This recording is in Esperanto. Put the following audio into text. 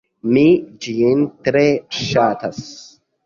Mi ĝin tre ŝatas.